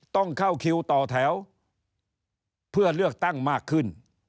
ต้องเข้าคิวต่อแถวเพื่อเลือกตั้งมากขึ้น